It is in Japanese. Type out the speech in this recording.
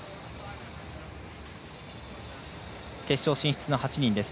決勝進出の８人です。